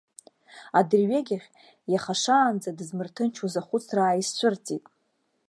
Адырҩегьых, иаха шаанӡа дызмырҭынчуаз ахәыцра ааизцәырҵит.